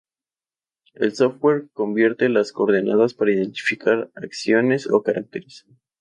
El software convierte las coordenadas para identificar acciones o caracteres.